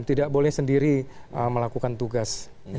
tidak boleh sendiri melakukan tugas